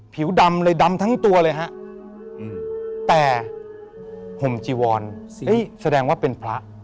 ผิวดำเลยดำทั้งตัวเลยฮะแต่ห่มจีวรแสดงว่าเป็นพระ